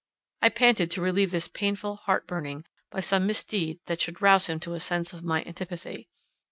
I panted to relieve this painful heart burning by some misdeed that should rouse him to a sense of my antipathy.